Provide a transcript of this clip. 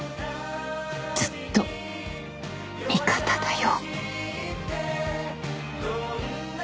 「ずっと味方だよ」